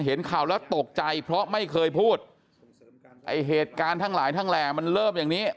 เห็นข่าวแล้วตกใจเพราะไม่เคยพูดไอ้เหตุการณ์ทั้งหลายทั้งแหล่มันเริ่มอย่างนี้